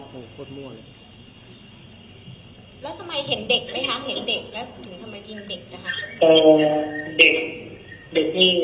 คุณพ่อพูดสถาวน์ถามว่าเรามันรู้สึกผิดเลยเหรอ